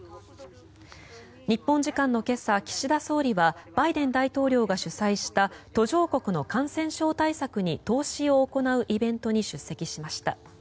日本時間の今朝、岸田総理はバイデン大統領が主催した途上国の感染症対策に投資を行うイベントに出席しました。